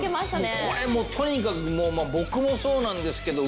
これとにかくもう僕もそうなんですけど。